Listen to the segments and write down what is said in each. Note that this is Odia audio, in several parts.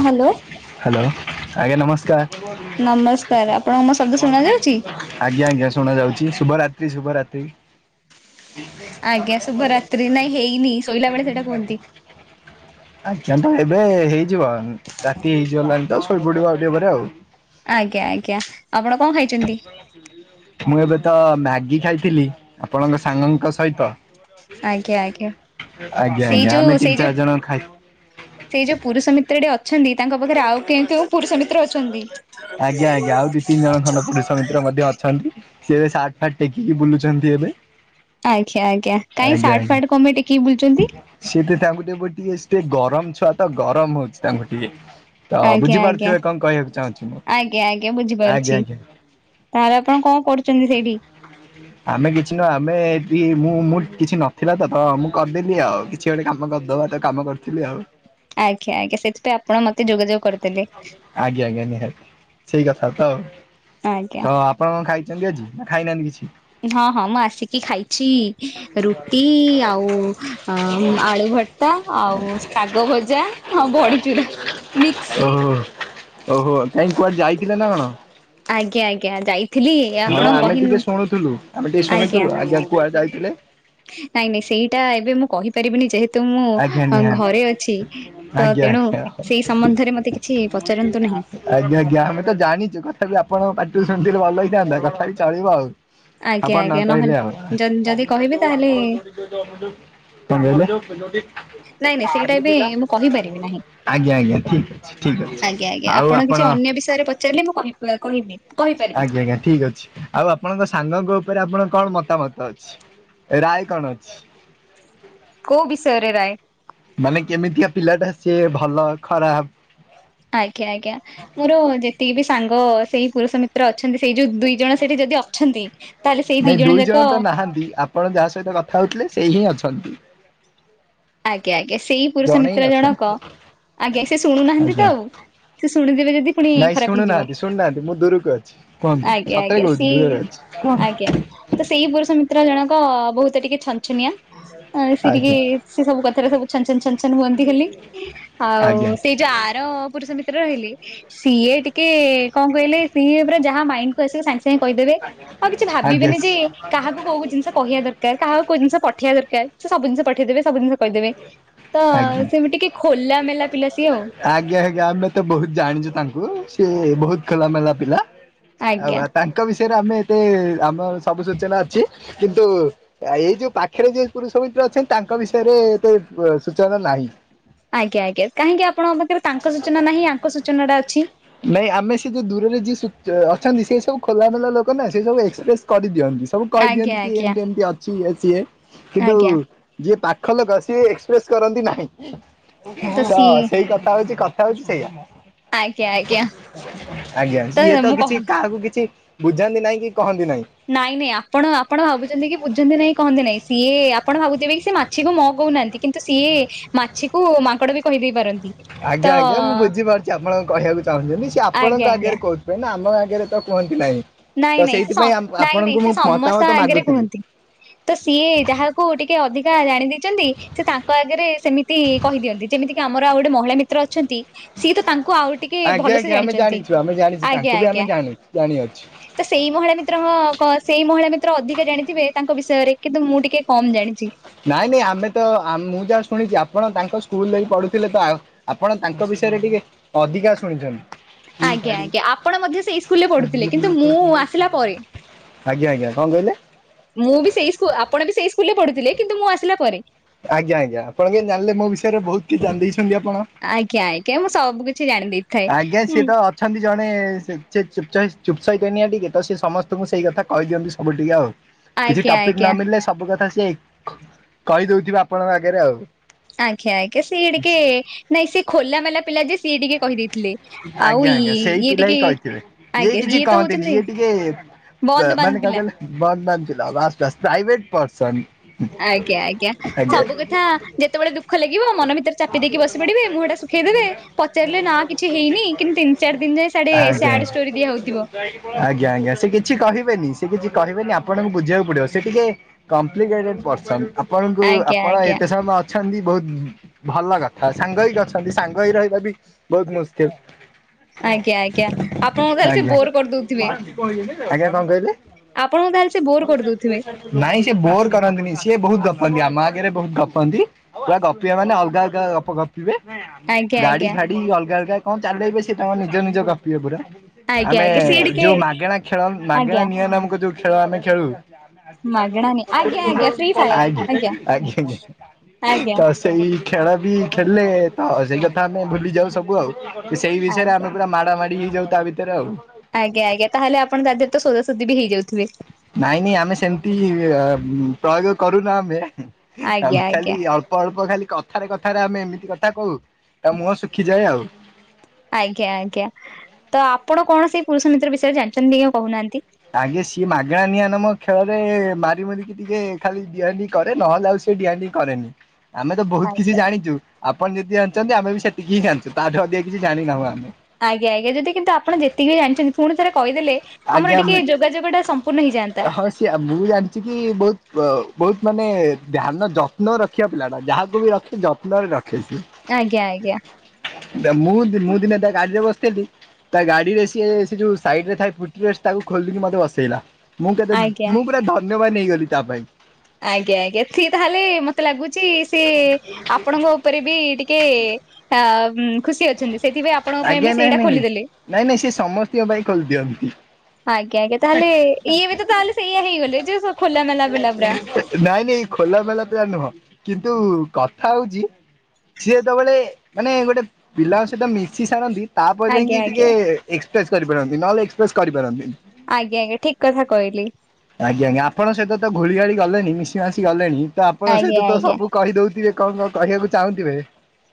ହ ହ୍ୟାଲୋ। ହ୍ୟାଲୋ ଆଜ୍ଞା ନମସ୍କାର। ନମସ୍କାର ଆପଣଙ୍କୁ ମୋ ଶବ୍ଦ ଶୁଣା ଯାଉଛି? ଆଜ୍ଞା ଆଜ୍ଞା ସୁଣା ଯାଉଛି ଶୁଭରାତ୍ରି ଶୁଭରାତ୍ରି। ଆଜ୍ଞା ଶୁଭ ରାତ୍ରି ନାଇଁ ହେଇନି ଶୋଇଲା ବେଳେ ସେଇଟା କୁହନ୍ତି। ଆଜ୍ଞା ତ ଏବେ ହେଇ ରାତି ହେଇଯିବଲାଣି ତ ଶୋଇ ପଡିବୁ ଆଉ ଟିକେ ପରେ ଆଉ। ଆଜ୍ଞା ଆଜ୍ଞା ଆପଣ କଣ ଖାଇଛନ୍ତି? ମୁଁ ଏବେ ତ ମ୍ୟାଗି ଖାଇଥିଲି, ଆପଣଙ୍କ ସାଙ୍ଗଙ୍କ ସହିତ। ଆଜ୍ଞା ଆଜ୍ଞା ଆଜ୍ଞା ସେଇ ଆଜ୍ଞା ଯୋଉ ଆମେ ସେଇ ତିନି ଯୋଉ ଚାରି ଜଣ ଖାଇ ସେଇ ଯୋଉ ପୁରୁଷ ମିତ୍ରଟି ଅଛନ୍ତି ତାଙ୍କ ପାଖରେ ଆଉ କେଉଁ କେଉଁ ପୁରୁଷ ମିତ୍ର ଅଛନ୍ତି? ଆଜ୍ଞା ଆଜ୍ଞା ଆଉ ଦି ତିନି ଜଣ ଖଣ୍ଡ ପୁରୁଷ ମିତ୍ର ମଧ୍ୟ ଅଛନ୍ତି। ସିଏ ଏ ସାର୍ଟ ଫାଟ ଟେକିକି ବୁଲୁଛନ୍ତି ଏବେ। ଆଜ୍ଞା ଆଜ୍ଞା କାାଇଁ ସାର୍ଟ ଫାଟ କମେ ଟେକୀକି ବୁଲୁଛନ୍ତି? ସେି ତ ତାଙ୍କୁ ଟିକେ ଟିକେ ସେ ଗରମ ଛୁଆ ତ ଗରମ ହଉଛି ତାଙ୍କୁ ଟିକେ। ତ ଆଜ୍ଞା ଆଜ୍ଞା ବୁଝିପାରୁଥିବେ କଣ କହିବାକୁ ଚାହୁଁଛି ମୁଁ। ଆଜ୍ଞା ଆଜ୍ଞା ଆଜ୍ଞା ବୁଝିପାରୁଛି ଆଜ୍ଞା। ତାହେଲେ ଆପଣ କଣ କରୁଛନ୍ତି ସେଇଠି? ଆମେ କିଛି ନହ ଆମେ ଏଠି ମୁଁ ମୁଁ କିଛି ନଥିଲା ତ ତ ମୁଁ କରିଦେଲି ଆଉ। କିଛି ଗୋଟେ କାମ କରିଦବା ତ କାମ କରିଥିଲି ଆଉ। ଆଜ୍ଞା ଆଜ୍ଞା ସେଥିପାଇଁ ଆପଣ ମତେ ଯୋଗାଯୋଗ କରିଦେଲେ। ଆଜ୍ଞା ଆଜ୍ଞା ନିହାତି ସେଇ କଥା ତ ଆଉ ଆଜ୍ଞା ତ ଆପଣ କଣ ଖାଇ ଜି ନା ଖାଇନାହାନ୍ତି କିଛି। ହଁ ହଁ ମୁଁ ଆସିକି ଖାଇଛି ରୁଟି ଆଉ ଆଳୁ ଭତା ଆଉ ଶାଗ ଭଜା। ହଁ ବଢଚୁରା ମିକ୍ସ। ଓହୋ ଓହୋ କାହିଁ କୁଆଡେ ଯାଇଥିଲେ ନା କଣ। ଆଜ୍ଞା ଆଜ୍ଞା ଯାଇ। ହଁ ଆମେ ଟିକେ ଶୁଣୁଥିଲୁ ଆମେ ଟିକେ ଶୁଣିଥିଲୁ, ଆଜ୍ଞା କୁଆଡେ ଯାଇଥିଲେ? ନାଇଁ ନାଇଁ ସେଇଟା ଏବେ ମୁଁ କହିପାରିବିନି ଯେହେତ ତ ଆଜ୍ଞା ମୁଁ ନିହାତି ଘରେ ଅଛି ତ ତେଣୁ ସେଇ ସମ୍ବନ୍ଧରେ ମତେ କି ମୁ ଏଇ ଆସ ଆଜ୍ଞା ଆଜ୍ଞା ଆମେ ତ ଜାଣିଛୁ ତଥାପି ଆପଣଙ୍କ ପାଟିରୁ ଶୁଣିଥିଲି ଭଲ ହେଇଥାନ୍ତା କଥା ବି ଚଳିବ ଆଉ। ଆଜ୍ଞା ଆପଣ ନ ଆଜ୍ଞା କହିଲ ନହେଲେ ଆଉ [inaudible] ଯଦି କହିବେ ତାହେଲେ ନାଇଁ ନାଇଁ ସେଇଟା ଏବେ ମୁଁ କହିପାରିବି ନାହିଁ ଆଜ୍ଞା ଆଜ୍ଞା ଠିକ। ଠିକ୍ ଅଛି ଆଜ୍ଞା ଆଜ୍ଞା ଆଉ କିଛି ଆପଣ। ଅନ୍ୟ ପଚାରିଲେ ମୁଁ କ କହିବି। କହିପାରିବି ଆଜ୍ଞା ଆଜ୍ଞା ଠିକ ଅଛି। ଆଉ ଆପଣଙ୍କ ସାଙ୍ଗଙ୍କ ଉପରେ ଆପଣଙ୍କ କଣ ମତାମତ ଅଛି, ରାୟ କଣ ଅଛି? କୋଉ ବିଷୟରେ ରାଏ? ମାନେ କେମିତିକା ପିଲାଟା ସିଏ ଭଲ ଖରାପ? ଆଜ୍ଞା ଆଜ୍ଞା ମୋର ଯେତିକି ବି ସାଙ୍ଗ ସେଇ ପୁରୁଷ ମି ଅଛନ୍ତି ସେଇ ଯୋଉ ଦୁଇ ଜଣ ସେଇଠି ଯଦି ଅଛନ୍ତି। ତାହେଲେ ସେଇ ଦି ନାଇଁ ଦୁଇ ଯାକ ଜଣ ତ ନାହାନ୍ତି ଆପଣ ଯାହା ସହିତ କଥା ହଉଥିଲେ, ସେଇ ହିଁ ଅଛନ୍ତି। ଆଜ୍ଞା ଆଜ୍ଞା ସେଇ ପୁରୁଷ ଜଣେ ହିଁ ମିତ୍ର ଜଣକ ଅଛନ୍ତି ଆଜ୍ଞା, ସେ ଶୁଣୁନାହାନ୍ତି ଆଜ୍ଞା ତ ଆଉ ସେ ଶୁଣିଦେବେ ଯଦି ପୁଣି ନାଇଁ ଖରାପ ହେଇଯିବ। ଶୁଣୁନାହାନ୍ତି ଶୁଣୁନାହାନ୍ତି ମୁଁ ଦୂରକୁ ଅଛି। କୁହନ୍ତୁ ଆଜ୍ଞା ସତରେ ଆଜ୍ଞା କହୁଛି ସି ଦୂରରେ ଅଛି କୁହନ୍ତୁ ଆଜ୍ଞା ତ ସେଇ ପୁରୁଷ ମିତ୍ର ଜଣକ ବହୁତ ଟିକେ ଛନଛନିଆ ସେ ଟିକେ ଆଜ୍ଞା ସେ ସବୁ କଥାରେ ସବୁ ଛନ ଛନ ଛନ ଛନ ହୁଅନ୍ତି ଖାଲି ଆଉ ଆଜ୍ଞା ସେଇ ଯୋଉ ଆର ପୁରୁଷ ରହିଲେ ସିଏ ଟିକେ କଣ କହିଲେ ସିଏ ପୁରା ଯାହା ମାଇଣ୍ଡକୁ ଆସିବ ସାଙ୍ଗେ ସାଙ୍ଗେ କହିଦେବେ ଆଉ କିଛି ଆଜ୍ଞା ଆଜ୍ଞା। ଭାବିବେନି ଯେ କାହାକୁ କୋଉ ଜିନିଷ କହିବା ଦରକାର କାହାକୁ କୋଉ ଜିନିଷ ପଠେଇବା ଦରକାର। ସେ ସବୁ ଜିନଷ ପଠେଇଦେବେ ସବୁ ଜିନିଷ କହିଦେବେ ତ ଆଜ୍ଞା ସେ ବି ଟିକେ ଖୋଲାମେଲା ପିଲା ସିଏ ଆଉ। ଆଜ୍ଞା ଆଜ୍ଞା ଆମେ ତ ବହୁତ ଜାଣିଚୁ ତାଙ୍କୁ ସେ ବହୁତ ଖୋଲାମେଲା ପିଲା। ଆଉ ଆଜ୍ଞା। ଆ ତାଙ୍କ ବିଷୟରେ ଆମେ ଏତେ ଆମର ସବୁ ସୂଚନା ଅଛି। କିନ୍ତୁ ଏଇ ଯୋଉ ପାଖରେ ଯଉ ପୁରୁଷ ମିତ୍ର ଅଛନ୍ତି ତାଙ୍କ ବିଷୟରେ ଏ ବ ସୂଚନା ନାହିଁ। ଆଜ୍ଞା ଆଜ୍ଞା କାହିଁକି ଆପଣଙ୍କ ପାଖରେ ତାଙ୍କ ସୂଚନାଟା ନାହିଁ ଆଙ୍କ ସୂଚନାଟା ଅଛି। ନାଇଁ ଆମେ ସେ ଯୋଉ ଦୂରରେ ଯିଏ ଅ ଅଛନ୍ତି, ସେ ସବୁ ଖୋଲାବେଲା ଲୋକ ନା ସେ ସବୁ ଏକ୍ସପ୍ରେସ କରିଦିଅନ୍ତି। ସବୁ ଆଜ୍ଞା କହିଦିଅନ୍ତି କି ଆଜ୍ଞା। ଏମତି ଏମତି ଅଛି ଇଏ ସିଏ କିନ୍ତୁ ଆଜ୍ଞା ଯିଏ ପାଖ ଲୋକ ସିଏ ଏକ୍ସପ୍ରେସ କରନ୍ତି ନାହିଁ, ତ ସେଇ କଥା ହଉଚି କ କଥା ହଉଚି ସେଇଆ। ଆଜ୍ଞା ଆଜ୍ଞା ଆଜ୍ଞା ଇଏ ତ ମୁଁ କହୁ କିଛି କାହାକୁ କିଛି ବୁଝାନ୍ତି ନାହିଁ କି କହନ୍ତି ନାହିଁ। ନାଇଁ ନାଇଁ ଆପଣ ଆପଣ ଭାବୁଚନ୍ତି କି ବୁଝନ୍ତି ନାଇଁ କହନ୍ତି ନାଇଁ। ସିଏ ଆପଣ ଭାବୁଥିବେ କି ସେ ମାଛିକୁ ମ କହୁନାହାନ୍ତି। କିନ୍ତୁ ସିଏ ମାଛିକୁ ମାଙ୍କଡ ବି କହିଦେଇ ପାରନ୍ତି। ତ ଆଜ୍ଞା ଆଜ୍ଞା ମୁଁ ବୁଝିପାରୁଚି ଆପଣଙ୍କ କହିବାକୁ ଚାହୁଁଚନ୍ତି ସିଏ ଆଜ୍ଞା ଆପଣଙ୍କ ଆଜ୍ଞା ଆଗରେ କହୁଚି। କାହିଁକି ନା ଆମ ଆଗରେ ତ କୁହନ୍ତି ନାହିଁ। ତ ନାଇଁ ନାଇଁ ସେ ସ ସେଇଥିପାଇଁ ଆମ ନାଇଁ ଆପଣଙ୍କୁ ନାଇଁ ମୁଁ ସେ ମତାମତ ସମସ୍ତ ଆଗରେ ମାଗୁଥିଲି। କୁହନ୍ତି। ତ ସିଏ ଯାହାକୁ ଟିକେ ଅଧିକା ଜାଣି ଦେଇଚନ୍ତି ସେ ତାଙ୍କ ଆଗରେ ସେମିତି ତି କହିଦିଅନ୍ତି ଯେମିତି କି ଆମର ଆଉ ଗୋଟେ ମହିଳା ମିତ୍ର ଅଛନ୍ତି। ସିଏ ତ ତାଙ୍କୁ ଆଉ ଟିକେ ଆଜ୍ଞା ଭଲସେ ଆଜ୍ଞା ଆମେ ଜାଣିଚନ୍ତି ଆଜ୍ଞା ଆଜ୍ଞା। ଜାଣିଅଛି। ତ ସେଇ ମହିଳା ମିତ୍ର ହ କ ସେଇ ମହିଳା ମିତ୍ର ଅଧିକା ଜାଣିଥିବେ ତାଙ୍କ ବିଷୟରେ କିନ୍ତୁ ମୁଁ ଟିକେ କମ ଜାଣିଚି। ନାଇଁ ନାଇଁ ଆମେ ତ ଆମ୍ ମୁଁ ଯାହା ଶୁଣିଚି ଆପଣ ତାଙ୍କ ସ୍କୁଲରେ ପଢୁଥିଲେ ତ। ଆପଣ ତାଙ୍କ ବିଷୟରେ ଟିକେ ଅଧିକା ଶୁଣିଚନ୍ତି। ଆଜ୍ଞା ଆଜ୍ଞା ଆପଣ ମଧ୍ୟ ସେଇ ସ୍କୁଲରେ ପଢୁଥିଲେ କିନ୍ତୁ ମୁଁ ଆସିଲା ପରେ। ଆଜ୍ଞା ଆଜ୍ଞା କଣ କହିଲେ? ମୁଁ ବି ସେଇ ଆପଣ ବି ସେଇ ସ୍କୁଲରେ ପଢୁଥିଲେ କିନ୍ତୁ ମୁଁ ଆସିଲା ପରେ। ଆଜ୍ଞା ଆଜ୍ଞା ଆପଣ କେନ୍ତି ଜାଣିଲେ ମୋ ବିଷୟରେ ବହୁତ କିଛି ଜାଣି ଦେଇଛନ୍ତି ଆପଣ। ଆଜ୍ଞା ଆଜ୍ଞା ମୁଁ ସବୁ କିଛି ଜାଣିଦେଇ ଆଜ୍ଞା ସିଏ ତ ଅଛନ୍ତି ଜଣେ ସେ ଚୁପ ସ ଚୁପସଇତାନିଆ ଟିକେ ତ ସେ ସମସ୍ତଙ୍କୁ ସେଇ କଥା କହିଦିଅନ୍ତି ସବୁ ଟିକେ ଆଉ। କିଛି ଆଜ୍ଞା ଟପିକ ଆଜ୍ଞା ନ ମିଳିଲେ ସବୁ କଥା ସିଏ କହି ଦଉଥିବେ ଆପଣଙ୍କ ଆଗରେ ଆଉ। ଆଜ୍ଞା ଆଜ୍ଞା ସିଏ ଟିକେ ନାଇଁ ସିଏ ଖୋଲା ମେଲା ପିଲା ଯେ ସିଏ ଟିକେ କହିଦେଇଥିଲେ ଆଉ ଆଜ୍ଞା ଇ ଆଜ୍ଞା ସେଇ ଇଏ ଇଏ ପିଲା ହିଁ ଟିକେ କହିଥିବେ ଆଜ୍ଞା କିଛି ଇଏ ତ କହନ୍ତିନି ହଉଚନ୍ତି ଇଏ ଟିକେ ବନ୍ଦ ବାନ୍ଦ ମାନେ କଣ ପିଲା। କହିଲେ, ବନ୍ଦ୍ ବାନ୍ଦ୍ ପିଲା ବାସ୍ ବାସ୍ ପ୍ରାଇଭେଟ୍ ପର୍ସନ। ଆଜ୍ଞା ଆଜ୍ଞା। ସବୁ କଥା ଆଜ୍ଞା। ଯେତେବେଳେ ଦୁଃଖ ଲାଗିବ ମନ ଭିତରେ ଚାପି ଦେଇକି ବସି ପଡିବେ ମୁଁହଟା ଶୁଖେଇ ଦେବେ। ପ ଚାରିଲେ ନା କିଛି ହେଇନି କିନ୍ତୁ ତିନ ଚାରି ଦିନ ଯାଏ ସାଡେ ଆଜ୍ଞା ସାଡ ଷ୍ଟୋରି ଦିଆ ହଉଥିବ। ଆଜ୍ଞା ଆଜ୍ଞା ସେ କିଛି କହିବେନି। ସେ କିଛି କହିବେନି ଆପଣଙ୍କୁ ବୁଝିବାକୁ ପଡିବ। ସେ ଟିକେ କଂପିଲିକେଟେଡ୍ ପର୍ସନ। ଆପଣଙ୍କୁ ଆଜ୍ଞା ଆପଣ ଆଜ୍ଞା। ଏତେ ସମୟ ଅଛନ୍ତି, ବହୁତ ଭଲ କଥା। ସାଙ୍ଗ ହେଇକି ଅଛନ୍ତି ସାଙ୍ଗ ହୋଇ ରହିବା ବି ବହୁତ ମୁଶକିଲ। ଆଜ୍ଞା ଆଜ୍ଞା ଆପଣଙ୍କ ଖାଲି ସେ ଆଜ୍ଞା ବୋର କରିଦଉଥିବେ। ଆଜ୍ଞା କଣ କହିଲେ? ଆପଣଙ୍କୁ ତାହେଲେ ସେ ବୋର କରିଦଉଥିବେ। ନାଇଁ ସେ ବୋର କରନ୍ତିନି। ସିଏ ବହୁତ ଗପନ୍ତି। ଆମ ଆଗରେ ବହୁତ ଗପନ୍ତି। ପୁରା ଗପିବେ ମାନେ ଅଲଗା ଅଲଗା ଗପ ଗ- ଆଜ୍ଞା ଗାଡି ଆଜ୍ଞା ଫାଡି ଅଲଗା ଅଲଗା କଣ ଚାଲାକି! ସେ ତାଙ୍କର ନିଜେ ନିଜ ଗପିବେ ପୁରା। ଆଜ୍ଞା ଆମେ ଆଜ୍ଞା ସିଏ ଟିକେ ଯୋଉ ମାଗେଣା ଖେଳ ମାଗେଣା ଆଜ୍ଞା ନିଆଁ ନାମକ ଯୋଉ ଖେଳ ଆମେ ଖେଳୁ ମାଗଣା ନି ଆଜ୍ଞା ଆଜ୍ଞା ଫ୍ରି ଆଜଞା ଫାୟାର ଆଜ୍ଞା ଆଜ୍ଞା। ଆଜ୍ଞା ସେଇ ଖେଳ ବି ଖେଲେ ତ ସେଇ କଥା ଆମେ ଭୁଲି ଯାଉ ସବୁ ଆଉ। ସେଇ ବିଷୟରେ ଆଜ୍ଞା ଆମେ ପୁରା ମାଡାମାଡି ହେଇଯାଉ ତା ଭିତରେ ଆଉ। ଆଜ୍ଞା ଆଜ୍ଞା ତାହେଲେ ଆପଣ ତା ଦେହରେ ତ ସୋଧା ସୋଧୀ ବି ହେଇଯାଉ ଥିବେ। ନାଇଁ ନାଇଁ ଆମେ ସେମିତି ପ୍ରୟୋଗ କରୁନା ଆମେ ଆଜ୍ଞା ଆମେ ଆଜ୍ଞା। ଖାଲି ଅଳ୍ ଅଳ୍ପ ଖାଲି କଥାରେ କଥାରେ ଆମେ ଏମିତି କଥା କହୁ ତା ମୁହଁ ଶୁଖିଯାଏ ଆଉ। ଆଜ୍ଞା ଆଜ୍ଞା ତ ଆପଣ କଣ ସେଇ ପୁରୁଷ ମିତ୍ର ବିଷୟରେ ଜାଣିଛନ୍ତି କି କହୁନାହାନ୍ତି। ଆଜ୍ଞା ସିଏ ମାଗଣା ନିଆଁ ନାମ ଖେଳରେ, ମାରି ମରିିକି ଟିକେ ଖାଲି ଡିଆନ୍ ଡିନ୍ କରେ, ନହେଲେ ଆଉ ସେ ଡିୟାନ ଡିନ କରେନି। ଆମେ ତ ବହୁତ କିଛି ଆଜ୍ଞା ଜାଣିଛୁ ଆପଣ ଯଦି ଆଣିଛନ୍ତି ଆମେ ବି ସେତିକି ହିଁ ଜାଣିଛୁ ତାଠୁ ଅଧିକ କିଛି ଜାଣିନାହୁଁ ଆମେ। ଆଜ୍ଞା ଆଜ୍ଞା ଯଦି କିନ୍ତୁ ଆପଣ ଯେତିକି ଜାଣିଛନ୍ତି ପୁଣି ଥରେ କହିଦେଲେ ଆମର ଆଜ୍ଞା ଟିକେ ଯୋଗାଯୋଗ ଟା ସମ୍ପୂର୍ଣ୍ଣ ହେଇଯାଆନ୍ତା। ସେ ମୁଁ ଜାଣିଛି କି ବହୁତ ବହୁତ ମାନେ ଧ୍ୟାନ ଯତ୍ନ ରଖିବା ପିଲାଟା ଯାହାକୁ ବି ରଖି ଯତ୍ନ ରେ ରାଖେଇଛି। ଆଜ୍ଞା ଆଜ୍ଞା ମୁଁ ମୁଁ ଦିନେ ତା ଗାଡିରେ ବସିଥିଲି ତା ଗାଡି ରେ ସିଏ ସେ ଯୋଉ ସାଇଡ ରେ ଥାଏ ତାକୁ ଖୋଲିକି ମତେ ବସେଇଲା, ମୁଁ କେତେ ଆଜ୍ଞା ମୁଁ ପୁରା ଧନ୍ୟବାନ ନେଇଗଲି ତା ପାଇଁ। ଆଜ୍ଞା ଆଜ୍ଞା ସେଏ ତାହେଲେ ମତେ ଲାଗୁଛି ଶିଏ ଆପଣଙ୍କ ଉପରେ ବି ଟିକେ ଅ ଖୁସି ଅଛନ୍ତି ସେଥିପାଇଁ ଆପଣଙ୍କ ପାଇଁ ବି ଆଜ୍ଞା ନାଇଁ ସେଇଟା ନାଇ ନାଇଁ ଖୋଲିଦେଲେ। ନାଇଁ ନାଇଁ ସେ ସମସ୍ତଙ୍କ ପାଇଁ ଖୋଲିଦିଅନ୍ତି। ଆଜ୍ଞା ଆଜ୍ଞା ତାହେଲେ ଇଏ ବି ତ ତାହେଲେ ସେଇୟଆ ହେଇଗଲେ, ଯେ ଖୋଲା ମେଲା ପିଲା ପୁରା। ନାଇଁ ନାଇଁ ଖୋଲା ମେଲା ପିଲା ନୁହଁ, କିନ୍ତୁ କଥା ହଉଛି ସିଏ ଯେତେବେଳେ ମାନେ ଗୋଟେ ପିଲାଙ୍କ ସହିତ ମି ମିଶି ସାରନ୍ତି ତାପରେ ଆଜ୍ଞା ଯାଇକି ଆଜ୍ଞା ଟିକେ ଏକ୍ସପ୍ରେସ କରିପାରନ୍ତି, ନହେଲେ ଏକ୍ସପ୍ରେସ କରିପାରନ୍ତିନି। ଆଜ୍ଞା ଆଜ୍ଞା ଠିକ କଥା କହିଲେ। ଆଜ୍ଞା ଆଜ୍ଞା ଆପଣ ସହିତ ତ ଗୁଳି ଗାଳି ଗଲେଣି, ମିଶି ମାସି ଗଲେଣି, ତ ଆପଣ ଆଜ୍ଞା ସହିତ ତ ଆଜ୍ଞା ସବୁ କହିଦଉଥିବେ କଣ କଣ କହିବାକୁ ଚାହୁଁଥିବେ।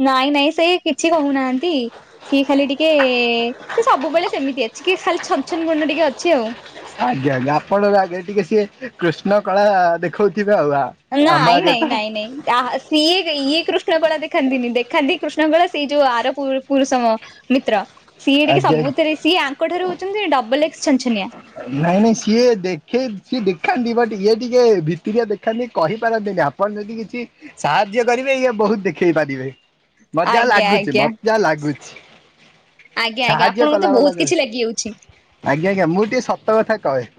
ନାଇଁ ନାଇଁ ସେ କିଛି କହୁନାହାନ୍ତି ସିଏ ଖାଲି ଟିକେ ସେ ସବୁବେଳେ ସେମିତି ଅଛି କି ଖାଲି ଛନଛନ ଗୁଣ ଟିକେ ଅଛି ଆଉ। ଆଜ୍ଞା ଆଜ୍ଞା ଆପଣର ଆଗେ ଟିକେ ସିଏ କୃଷ୍ଣ କଳା ଦେଖଉଥିବେ ଆଉ ଆ। ଆମ ନାଁ ଆଗେ ତ ନହିଁ ନଁ ନହିଁଜ ଯାହା ଇଏ ଇଏ କୃଷ୍ଣକଳା ଦେଖାନ୍ତିନି, ଦେଖାନ୍ତି କୃଷ୍ଣ କଳା ସେଇ ଯୋଉ ଆର ପୁରୁଷ ମିତ୍ର ସିଏ ଟିକେ ଆଜ୍ଞା ସବୁଥିରେ ସିଏ ଆଙ୍କ ଠାରୁ ହଉଛନ୍ତି ଡବଲ ଏକ୍ସ ଛଞ୍ଚନିଆ। ନାଇଁ ନାଇଁ ସିଏ ଦେଖେଇ ସିଏ ଦେଖାନ୍ତି ବ ଇଏ ଟିକେ ଭିତରିଆ ଦେଖାନ୍ତି କହିପାରନ୍ତିନି ଆ କଣ ଯଦି କିଛି ସାହାଯ୍ୟ କରିବେ ଇଏ ବହୁତ ଦେଖେଇ ପାରିବେ। ମତେ ଯାହା ଆଜ୍ଞା ଲାଗୁଚି ଆଜ୍ଞା ମତେ ଯାହା ଲାଗୁଛି। ଆଜ୍ଞା ଆଜ୍ଞା ସାହାଯ୍ୟ ଆପଣଙ୍କୁ କଲା ତ ବାଲା ବହୁତ ଜଣେ କିଛି ଲାଗିଯାଉଛି। ଆଜ୍ଞା ଆଜ୍ଞା ମୁଁ ଟିକେ ସତ କଥା କହେ।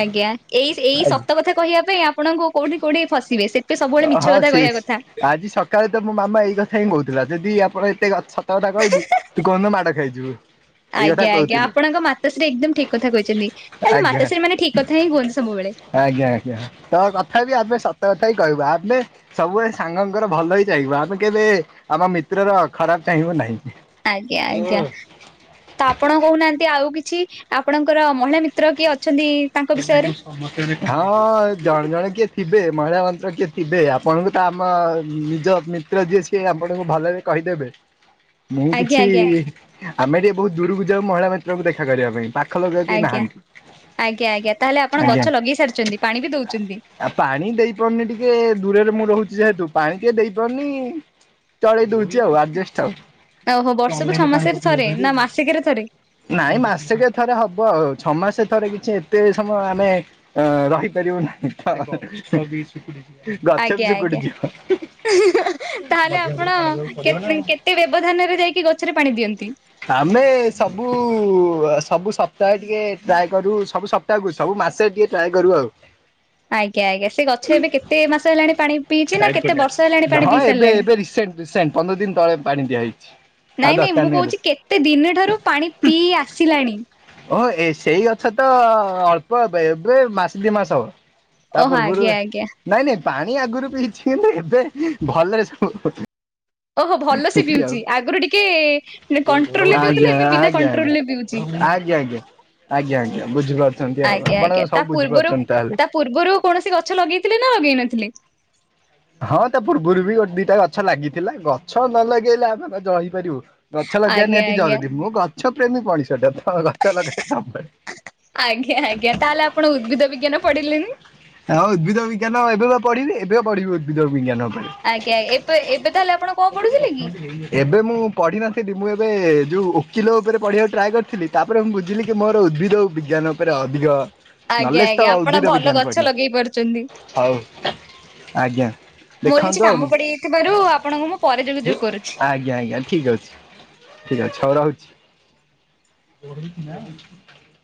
ଆଜ୍ଞା ଏଇ ଏଇ ସତ ଆଜ୍ଞା କଥା କହିବା ପାଇଁ ଆପଣଙ୍କୁ କୋଉଠି କୋଉଠି ଫସିବେ ସେ ଏ ସବୁବେଳେ ମିଛ କଥା କହିବା କଥା। କାଲି ତ ମୋ ମାମା ଏଇ କଥା ହିଁ କହୁଥିଲା ଯଦି ଆପଣ ଏତେ ସତ କଥା କହିବୁ ତୁ କୋଉଦିନ ମାଡ ଖାଇଯିବୁ। ଏଇ କଥା ଆଜ୍ଞା ଆଜ୍ଞା କହୁଥିଲେ ଆପଣଙ୍କ ମାତାଶ୍ରୀ ଏକଦମ୍ ଠିକ କଥା କହିଛନ୍ତି। ଆରେ ଆଜ୍ଞା। ମାତା ଶ୍ରୀ ମାନେ ଠିକ କଥା ହିଁ କୁହନ୍ତି ସବୁବେଳେ। ଆଜ୍ଞା ଆଜ୍ଞା ତ କଥା ବି ଆମେ ସତ କଥା ହିଁ କହିବା ଆମେ ସବୁବେଳେ ସାଙ୍ଗଙ୍କର ଭଲ ହି ଚାହିଁବୁ ଆମେ କେବେ ଆମ ମିତ୍ରର ଖରାପ ଚାହିଁବୁ ନାହିଁ। ଆଜ୍ଞା ଆଜ୍ଞା ତ ଆପଣ କହୁନାହାନ୍ତି ଆଉ କିଛି। ଆପଣଙ୍କର ମହିଳା ମିତ୍ର କିଏ ଅଛନ୍ତି ତାଙ୍କ ବିଷୟରେ। ହଁ ଜଣେ ଜଣେ କିଏ ଥିବେ ମହିଳା ମନ୍ତ୍ର କିଏ ଥିବେ ଆପଣଙ୍କ ଆମ ନିଜ ମିତ୍ର ଯିଏ ସିଏ ଆପଣଙ୍କୁ ଭଲରେ କହିଦେବେ। [inaudible] ମୁଁ କିଛି ଆଜ୍ଞା ଆମେ ଟିକେ ବହୁତ ଦୂରକୁ ଯାଉ ମହିଳା ମିତ୍ରଙ୍କୁ ଦେଖା କରିବା ପାଇଁ। ପାଖ ପାଖ ଲୋକ କେହି ଆଜ୍ଞା ନାହାନ୍ତି। ଆଜ୍ଞା ଆଜ୍ଞା ତାହେଲେ ଆପଣ ଆଜ୍ଞା ଗଛ ଲଗେଇ ସାରିଛନ୍ତି ପାଣି ବି ଦଉଛନ୍ତି। ଆଉ ପାଣି ଦେଇ ପାରୁନି ଟିକେ ଦୂରରେ ମୁଁ ରହୁଛି ଯେହେତୁ ପାଣି ଟିକେ ଦେଇପାରୁନି। ଚଳେଇ ଦଉଛି ଆଜେଷ୍ଟସ୍ ଓହୋ ବର୍ଷକୁ ଛଅ ମାସରେ ଥରେ ନା ଆଉ ମାସିକରେ ଥରେ ନାଇଁ ମାସକେ ଥରେ ହବ ଆଉ ଛଅ ମାସେ ଥରେ କିଛି ଏତେ ସମୟ ଆମେ ରହିପାରିବ ନାହିଁ, [inaudible] ଆଜ୍ଞା ଶୁକୁଟି ଆଜ୍ଞା ଯିବ। ତାହେଲେ ଆପଣ କେ କେ ତେ ବ୍ୟବଧାନରେ ଯାଇକି ଗଛରେ ପାଣି ଦିଅନ୍ତି। ଆମେ ସବୁ ସବୁ ସପ୍ତାହେ ଟିକେ ଟ୍ରାଏ କରୁ ସବୁ ସ୍ ପ୍ତା ସବୁ ମାସେ ଟିକେ ଟ୍ରାଏ କରୁ ଆଉ। ଆଜ୍ଞା ଆଜ୍ଞା ସେ ଗଛ ଏବେ କେତେ ମାସ ହେଲାଣି ପାଣି ପିଇଛି ନା କେତେ ବର୍ଷ ହେଲାଣି ପାଣି ହଁ ପିଇ ଏବେ ସାରିଲେଣି। ଏବେ ରିସେଣ୍ଟ ରିସେଣ୍ଟ ପନ୍ଦର ଦିନ ତଳେ ପାଣି ଦିଆହେଇଛି। ଆଉ ନାଇଁ ନାଇଁ ଦରକାର ମୁଁ ନାହିଁ ଏବେ। କହୁଛି କେତେ ଦିନଠାରୁ ପାଣି ପିଇ ଆସିଲାଣି। ଓହୋ ଏ ସେଇ ଗଛ ତ ଅଳ୍ପ ଏବେ ମାସେ ଦି ମାସ ହବ। ତା ଓହୋ ପୂର୍ବରୁ ଆଜ୍ଞା ଆଜ୍ଞା ନାଇଁ ନାଇଁ ପାଣି ଆଗରୁ ପିଇଛି କିନ୍ତୁ ଏବେ ଭଲରେ ସବୁ ଓହୋ ଭଲ ସେ ଆଉ। ପିଉଛି ଆଗରୁ ଟିକେ କଣ୍ଟ୍ରୋଲ ରେ ଆଜ୍ଞା ପିଉଥିଲେ ଏବେ ବିନା ଆଜ୍ଞା କଣ୍ଟ୍ରୋଲ ରେ ପିଉ ଆଜ୍ଞା ଆଜ୍ଞା ଆଜ୍ଞା ଆଜ୍ଞା ବୁଝିପାରୁଛନ୍ତି ଆଉ ଆଜ୍ଞା ଆପଣ ଆଜ୍ଞା ତା ସବୁ ପୂର୍ବରୁ ବୁଝିପାରୁଛନ୍ତି ତାହେଲେ। ତା ପୂର୍ବରୁ କୌଣସି ଗଛ ଲଗେଇଥିଲେ ନା ଲଗେଇ ନଥିଲେ। ହଁ ତା ପୂର୍ବରୁ ବି ଗୋଟେ ଦିଟା ଗଛ ଲାଗିଥିଲା ଗଛ ନ ଲଗେଇଲେ ଆମେ କଣ ରହି ପାରିବୁ। ଗଛ ଲଗେଇବା ଆଜ୍ଞା ନିହାତି ଆଜ୍ଞା ଜରୁରୀ ମୁଁ ଗଛ ପ୍ରେମୀ ମଣିଷଟା ତ ଗଛ ଲଗାଏ ସବୁବେଳେ। ଆଜ୍ଞା ଆଜ୍ଞା ତାହେଲେ ଆପଣ ଉଦ୍ଭିଦ ବିଜ୍ଞାନ ପଢିଲେନି। ହଁ ଉଦ୍ଭିଦ ବିଜ୍ଞାନ ଏବେ ପଢିବି ଏବେ ପଢିବି ଉଦ୍ଭିଦ ବିଜ୍ଞାନ ଉପରେ। ଆଜ୍ଞା ଏ ଏବେ ତାହେଲେ ଆପଣ କଣ ପଢୁଥିଲେ କି? ଏବେ ମୁଁ ପଢ଼ିିନଥିଲି ମୁଁ ଏବେ ଯେଉଁ ଓକିଲ ଉପରେ ପଢ଼ିବାକୁ ଟ୍ରାଏ କରିଥିଲି ତା ପରେ ମୁଁ ବୁଝିଲି କି ମୋର ଉଦ୍ଭିଦ ବିଜ୍ଞାନ ଉପରେ ଅଧିକ ଆଜ୍ଞା ନଲେଜ ତ ଆଜ୍ଞା ଆପଣ ଉଦ୍ଭିଦ ଭଲ ବିଜ୍ଞାନ ଗଛ ପଢି ଲଗେଇ ପାରୁଛନ୍ତି। ହଉ ଆଜ୍ଞା। ମୋର କିଛି ଦେଖନ୍ତୁ ଆଉ କାମ ପଡିଯାଇଥିବାରୁ ଆପଣଙ୍କୁ ମୁଁ ପରେ ଯୋଗ ଯୋଗ କରୁଛି। ଆଜ୍ଞା ଆଜ୍ଞା ଠିକ୍ ଅଛି ଠିକ୍ ଅଛି ହଉ ରହୁଛି। [inaudible]